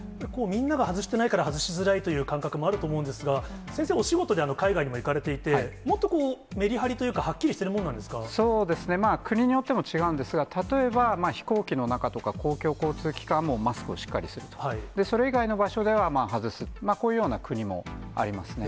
みんなが外してないから、外しづらいという感覚もあると思うんですが、先生、お仕事で海外にも行かれていて、もっとこう、メリハリというか、そうですね、国によっても違うんですが、例えば飛行機の中とか、公共交通機関もマスクをしっかりすると、それ以外の場所では外す、こういうような国もありますね。